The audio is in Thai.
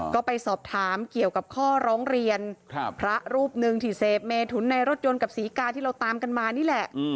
ก็ไปสอบถามเกี่ยวกับข้อร้องเรียนพระรูปหนึ่งที่เสพเมถุนในรถยนต์กับศรีกาที่เราตามกันมานี่แหละ